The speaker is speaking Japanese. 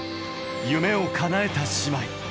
夢をかなえた姉妹。